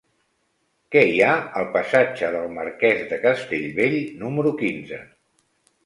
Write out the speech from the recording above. Què hi ha al passatge del Marquès de Castellbell número quinze?